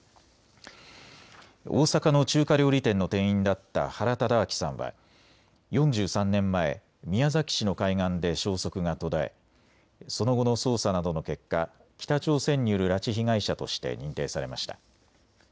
大阪の中華料理店の店員だった原敕晁さんは４３年前、宮崎市の海岸で消息が途絶えその後の捜査などの結果、北朝鮮による拉致被害者として認定されました。